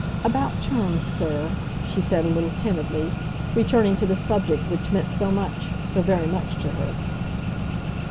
"About terms, sir?" she said a little timidly, returning to the subject which meant so much, so very much to her.